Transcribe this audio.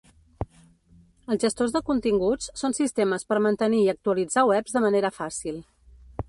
Els gestors de continguts són sistemes per mantenir i actualitzar webs de manera fàcil.